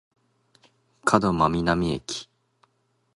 門真南駅